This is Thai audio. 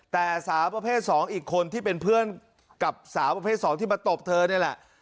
แต่สาวประเภท๒อีกคนที่เป็นเพื่อนกับสาวประเภท๒ที่มาตบเธอนี่แหละ